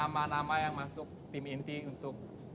kita akan bertemu capt fair